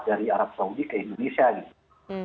dari arab saudi ke indonesia gitu